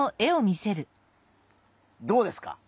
どうですか？